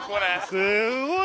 すごい。